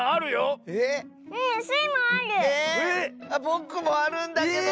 ぼくもあるんだけど！